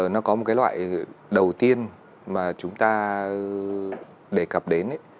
nó có một cái loại đầu tiên mà chúng ta đề cập đến